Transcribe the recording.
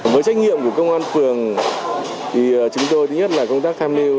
với trách nhiệm của công an phường thì chúng tôi nhất là công tác tham lưu